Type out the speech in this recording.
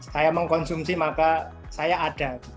saya mengkonsumsi maka saya ada